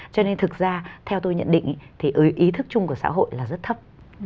cho nên thực ra theo tôi nhận định thì ý thức chung của xã hội là rất thấp